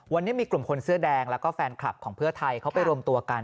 วันนี้มีกลุ่มคนเสื้อแดงแล้วก็แฟนคลับของเพื่อไทยเขาไปรวมตัวกัน